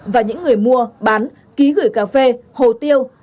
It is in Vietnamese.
và những người mua bán ký gửi cà phê hồ tiêu